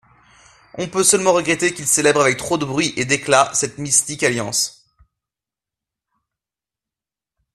On peut seulement regretter qu'il célèbre avec trop de bruit et d'éclat cette mystique alliance.